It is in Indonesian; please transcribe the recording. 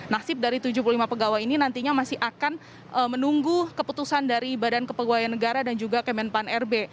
nasib dari tujuh puluh lima pegawai ini nantinya masih akan menunggu keputusan dari badan kepegawaian negara dan juga kemenpan rb